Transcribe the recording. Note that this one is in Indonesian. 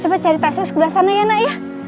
coba cari taksi sebelah sana ya nak ya